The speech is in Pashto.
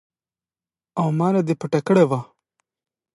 او ما نه دې پټه کړې وه.